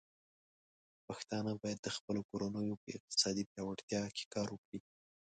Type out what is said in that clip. پښتانه بايد د خپلو کورنيو په اقتصادي پياوړتيا کې کار وکړي.